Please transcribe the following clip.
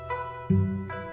gak ada apa apa